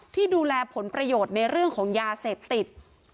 ที่ดูแลผลประโยชน์ในเรื่องของยาเสพติด